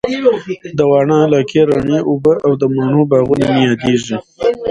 د واڼه علاقې رڼې اوبه او د مڼو باغونه مي ياديږي